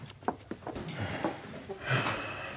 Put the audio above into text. はあ。